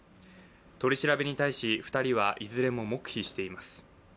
取り調べに対し２人はいずれも黙秘しています。